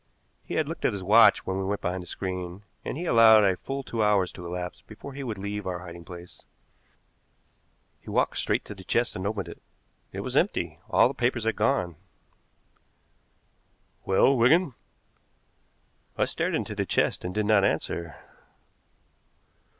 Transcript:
He had looked at his watch when we went behind the screen, and he allowed a full two hours to elapse before he would leave our hiding place. He walked straight to the chest and opened it. It was empty. All the papers had gone. "Well, Wigan?" I stared into the chest and did not answer.